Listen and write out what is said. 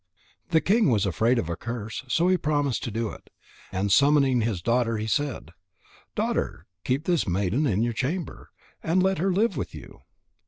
The king was afraid of a curse, so he promised to do it. And summoning his daughter, he said: "Daughter, keep this maiden in your chamber, and let her live with you."